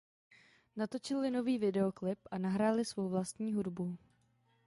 Natočili nový videoklip a nahráli svou vlastní hudbu.